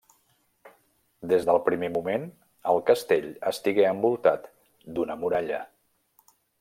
Des del primer moment el castell estigué envoltat d'una muralla.